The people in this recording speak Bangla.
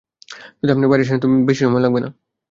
যদি আপনি বাইরে আসেন, বেশি সময় লাগবে না।